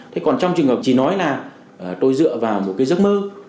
thế còn trong trường hợp chỉ nói là tôi dựa vào một cái giấc mơ